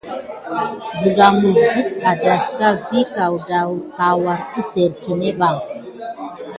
Kine siga mis suke aɗaska vin mis darkiwune kankure kisérè kiné bay wukemti.